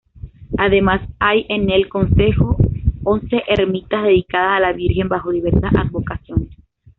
Además hay enel concejo once ermitas dedicadas a la Virgen bajo diversas advocaciones.